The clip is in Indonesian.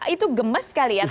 itu gemes kali ya